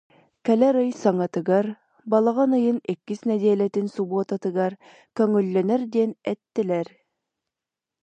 Кэлэр ый саҥатыгар, балаҕан ыйын иккис нэдиэлэтин субуотатыгар көҥүллэнэр диэн эттилэр